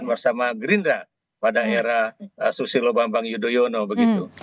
bersama gerindra pada era susilo bambang yudhoyono begitu